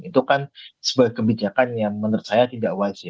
itu kan sebagai kebijakan yang menurut saya tidak wise ya